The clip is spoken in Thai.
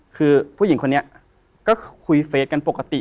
คือผู้หญิงคนนี้ก็คุยเฟสกันปกติ